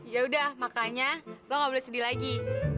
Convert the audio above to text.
yaudah makanya gue ga boleh sedih lagi